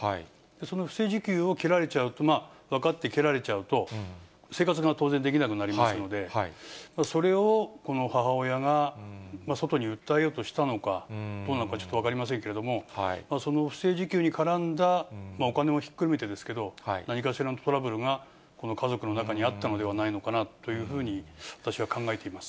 その不正受給を切られちゃうと、分かって切られちゃうと、生活が当然できなくなりますので、それをこの母親が外に訴えようとしたのか、どうなのかちょっと分かりませんけれども、その不正受給に絡んだお金をひっくるめてですけど、何かしらのトラブルがこの家族の中にあったのではないかのかなというふうに私は考えています。